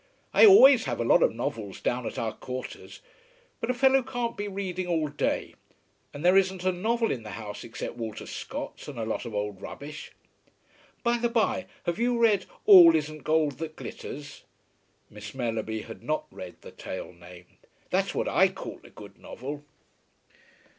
"I always have a lot of novels down at our quarters. But a fellow can't be reading all day, and there isn't a novel in the house except Walter Scott's and a lot of old rubbish. By the bye have you read 'All Isn't Gold That Glitters?'" Miss Mellerby had not read the tale named. "That's what I call a good novel."